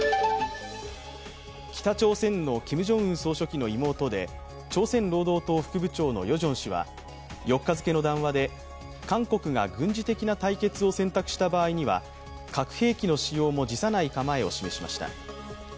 北朝鮮のキム・ジョンウン総書記の妹で、朝鮮労働党副部長のヨジョン氏は４日付の談話で、韓国が軍事的な対決を選択した場合には核兵器の使用も辞さない構えを示しました。